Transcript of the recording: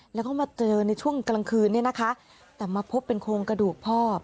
แล้วเขามาเจอในช่วงกลางคืนเนี่ยนะคะแต่มาพบเป็นโครงกระดูกพ่อ